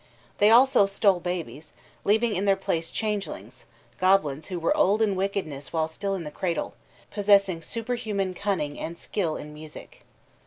They also stole babies, leaving in their place changelings, goblins who were old in wickedness while still in the cradle, possessing superhuman cunning and skill in music.